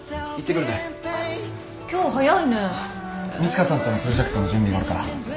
路加さんとのプロジェクトの準備があるから。